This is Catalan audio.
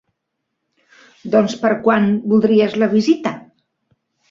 Doncs per quan voldries la visita?